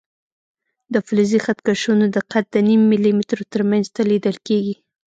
د فلزي خط کشونو دقت د نیم ملي مترو تر منځ لیدل کېږي.